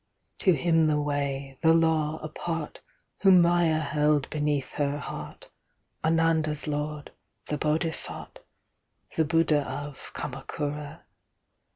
To him the Way, the Law, apart, Whom Maya held beneath her heart, Ananda's Lord, the Bodhisat, The Buddha of Kamakura.